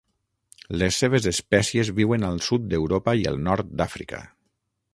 Les seves espècies viuen al sud d'Europa i el nord d'Àfrica.